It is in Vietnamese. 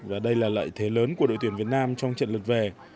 và đây là lợi thế lớn của đội tuyển việt nam trong trận lượt về